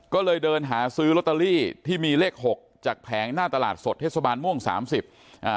ก็เลยเดินหาซื้อลอตเตอรี่ที่มีเลขหกจากแผงหน้าตลาดสดเทศบาลม่วงสามสิบอ่า